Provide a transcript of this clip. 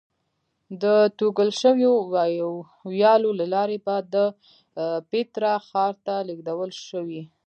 د توږل شویو ویالو له لارې به د پیترا ښار ته لېږدول شوې.